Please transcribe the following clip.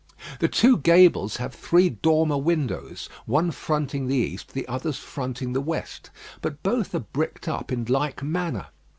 The two gables have three dormer windows, one fronting the east, the others fronting the west, but both are bricked up in like manner.